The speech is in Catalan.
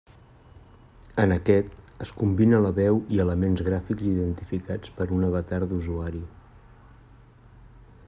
En aquest, es combina la veu i elements gràfics identificats per un avatar d'usuari.